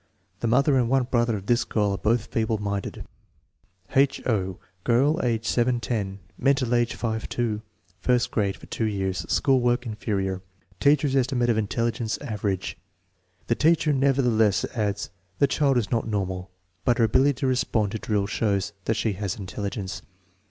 The mother and one brother of this girl arc both feeble minded. //, 0. Girl, a<7<! 7 10; menial age 5 2; first grade for S3 years; ftcJwol work "inferior'"; tc,achcr\<i estimate of intellit/cnw "average." The teacher nevertheless adds, "Tins child is not normal, but her ability to respond 1o drill shows ihat she has intelligence."